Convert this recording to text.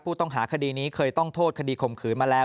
ผู้ต้องหาคดีนี้เคยต้องโทษคดีข่มขืนมาแล้ว